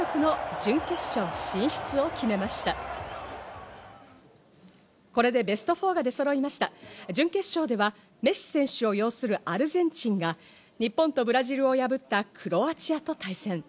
準決勝ではメッシ選手を擁するアルゼンチンが日本とブラジルを破ったクロアチアと対戦。